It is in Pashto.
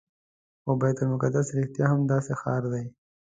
خو بیت المقدس رښتیا هم داسې ښار دی.